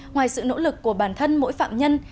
ngoài sự nỗ lực của bản thân mỗi phạm nhân